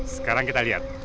sekarang kita lihat